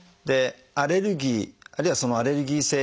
アレルギーあるいはそのアレルギー性